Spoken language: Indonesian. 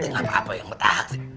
ini apa apa yang pentas